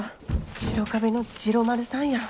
白壁の治郎丸さんや。